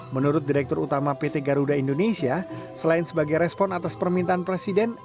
menurut direktur utama pt garuda indonesia selain sebagai respon atas permintaan presiden